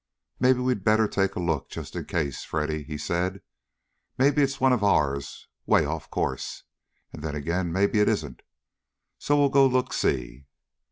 "Maybe we'd better take a look, just in case, Freddy," he said. "Maybe it's one of ours way off course. And then again, maybe it isn't. So we'll go look see."